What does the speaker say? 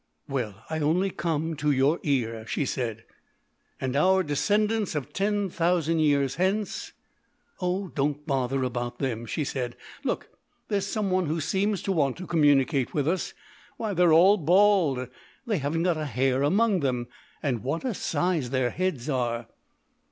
"Well, I only come to your ear," she said. "And our descendants of ten thousand years hence " "Oh, don't bother about them!" she said. "Look; there's some one who seems to want to communicate with us. Why, they're all bald! They haven't got a hair among them and what a size their heads are!"